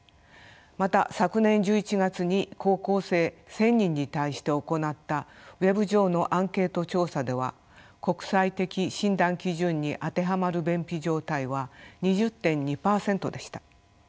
また昨年１１月に高校生１，０００人に対して行ったＷｅｂ上のアンケート調査では国際的診断基準に当てはまる便秘状態は２０．２％でした。